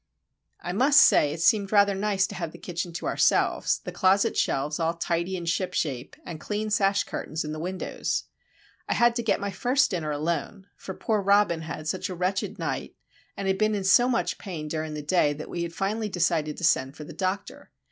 I must say it seemed rather nice to have the kitchen to ourselves, the closet shelves all tidy and ship shape, and clean sash curtains in the windows. I was to get my first dinner alone, for poor little Robin had had a wretched night, and been in so much pain during the day that we had finally decided to send for the doctor.